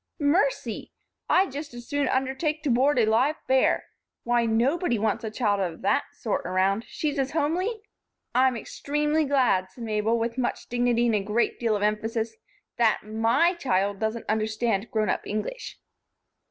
"Mercy! I'd just as soon undertake to board a live bear! Why! Nobody wants a child of that sort around. She's as homely " "I'm extremely glad," said Mabel, with much dignity and a great deal of emphasis, "that my child doesn't understand grown up English."